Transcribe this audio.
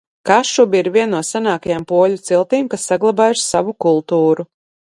Kašubi ir viena no senajām poļu ciltīm, kas saglabājuši savu kultūru.